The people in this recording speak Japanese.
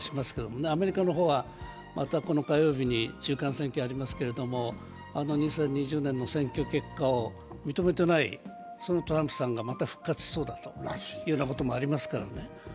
アメリカの方はまたこの火曜日に中間選挙がありますけど、あの２０２０年の選挙結果を認めていないトランプさんがまた復活しそうだというようなこともありますからね。